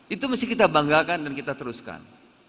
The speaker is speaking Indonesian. itu mesti kita banggakan dan kita teruskan